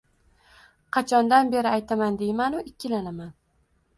Qachondan beri aytaman deyman-u, ikkilanaman